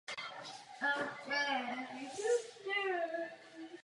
Základním předpokladem úspěšné komunikace je otevřenost a pravdivost.